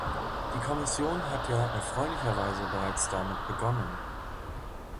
Die Kommission hat ja erfreulicherweise bereits damit begonnen.